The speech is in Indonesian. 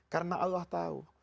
karena allah tahu